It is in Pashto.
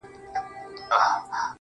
• ډوډۍ که پردۍ وه ګیډه خو دي خپله وه -